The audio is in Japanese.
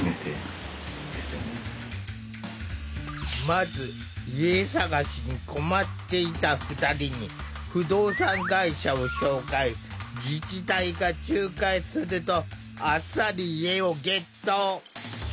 まず家探しに困っていた２人に自治体が仲介するとあっさり家をゲット。